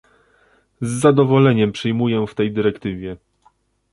Z zadowoleniem przyjmuję w tej dyrektywie